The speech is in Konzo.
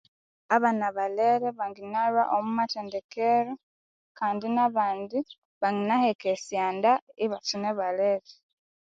Abana balere banginalhwa omwa mathendero kandi nabandi bangina heka esyanda ibakyine balere